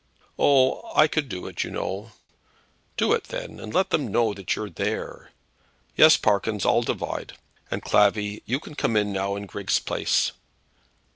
"Oh! I could do it, you know." "Do it then, and let 'em both know that you're there. Yes, Parkyns, I'll divide. And, Clavvy, you can come in now in Griggs' place."